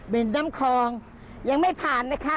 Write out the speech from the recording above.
เป็นน้ำคลองยังไม่ผ่านนะคะ